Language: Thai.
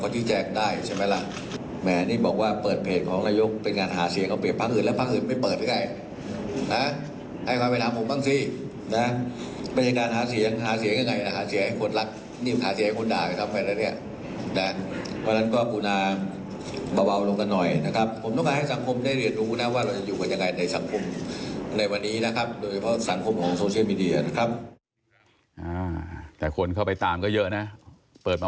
แต่คนเขาไปตามก็เยอะนะ